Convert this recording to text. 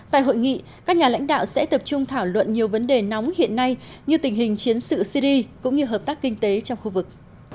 tại hội nghị các nhà lãnh đạo sẽ tập trung thảo luận nhiều vấn đề nóng hiện nay như tình hình chiến sự syri cũng như hợp tác kinh tế trong khu vực